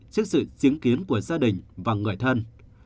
trước sự chứng kiến của gia đình và người thân